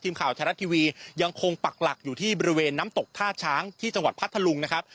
ทีมข่าวไทยรัฐทีวียังคงปักหลักอยู่ที่บริเวณน้ำตกท่าช้างที่จังหวัดพัทธลุงนะครับ